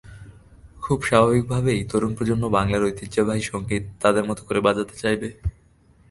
খুব স্বাভাবিকভাবেই তরুণ প্রজন্ম বাংলার ঐতিহ্যবাহী সংগীত তাদের মতো করে বাজাতে চাইবে।